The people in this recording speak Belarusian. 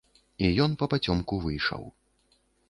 І ён папацёмку выйшаў.